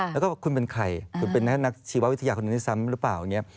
แล้วก็คุณเป็นใครคุณเป็นนักชีววิทยาคนหนึ่งด้วยซ้ำหรือเปล่าอย่างนี้